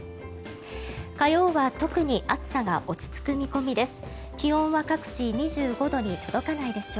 火曜は特に暑さが落ち着く見込みです。